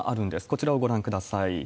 こちらをご覧ください。